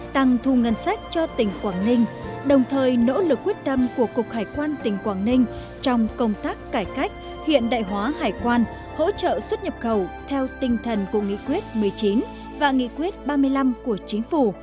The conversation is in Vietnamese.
tăng thu ngân sách cho tỉnh quảng ninh đồng thời nỗ lực quyết tâm của cục hải quan tỉnh quảng ninh trong công tác cải cách hiện đại hóa hải quan hỗ trợ xuất nhập khẩu theo tinh thần của nghị quyết một mươi chín và nghị quyết ba mươi năm của chính phủ